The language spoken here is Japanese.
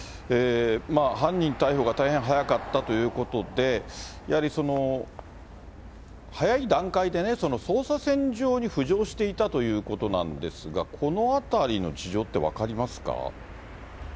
犯人逮捕が大変早かったということで、やはり早い段階で捜査線上に浮上していたということなんですが、このあたりの事情って分かりますか。